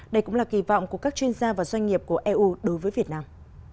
đây cũng là kỳ vọng của các chuyên gia và doanh nghiệp của eu đối với việt nam